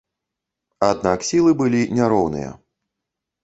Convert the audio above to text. Аднак сілы былі няроўныя.